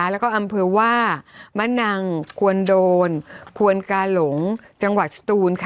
แล้วก็อำเภอว่ามะนังควนโดนควนกาหลงจังหวัดสตูน